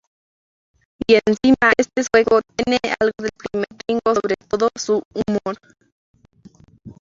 Y encima este Sueco tiene algo del primer Ringo, sobre todo su humor.